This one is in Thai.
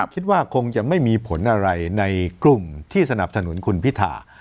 คิดว่าคงจะไม่มีผลอะไรในกลุ่มที่สนับสนุนคุณพิธา